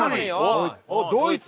ドイツ！